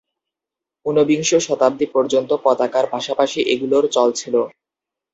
ঊনবিংশ শতাব্দী পর্যন্ত পতাকার পাশাপাশি এগুলোর চল ছিল।